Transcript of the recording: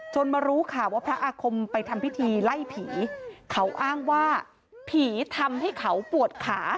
มารู้ข่าวว่าพระอาคมไปทำพิธีไล่ผีเขาอ้างว่าผีทำให้เขาปวดขา